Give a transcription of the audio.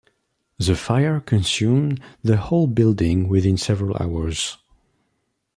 The fire consumed the whole building within several hours.